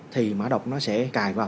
thì mã đọc nó sẽ cài vào